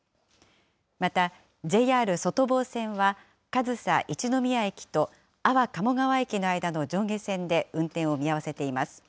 また、ＪＲ外房線は、上総一ノ宮駅と安房鴨川駅の間の上下線で運転を見合わせています。